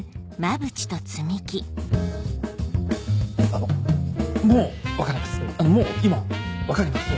あのもう分かります